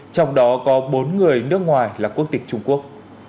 trong đó có bốn người nước ngoài là quốc tịch trung quốc